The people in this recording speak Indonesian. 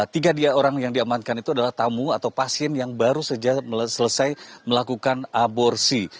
tiga orang yang diamankan itu adalah tamu atau pasien yang baru saja selesai melakukan aborsi